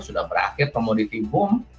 sudah berakhir komoditi boom